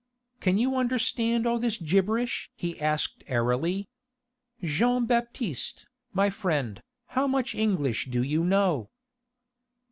"Can you understand all this gibberish?" he asked airily. "Jean Baptiste, my friend, how much English do you know?"